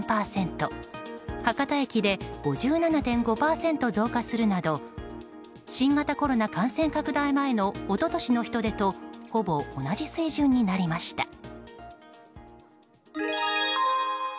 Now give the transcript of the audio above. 博多駅で５７．５％増加するなど新型コロナ感染拡大前の一昨年の人出とほぼ同じ水準になりました。